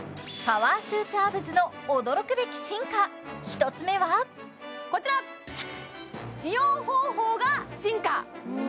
パワースーツアブズの驚くべき進化１つ目はこちら使用方法が進化